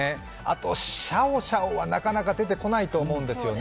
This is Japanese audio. シャオシャオはなかなか出てこないと思うんですね。